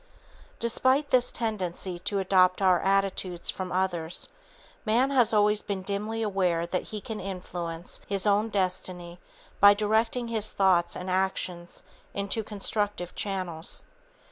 Despite this tendency to adopt our attitudes from others, man has always been dimly aware that he can influence his own destiny by directing his thoughts and actions into constructive channels.